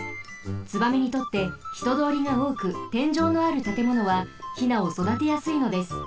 ツバメにとってひとどおりがおおくてんじょうのあるたてものはヒナをそだてやすいのです。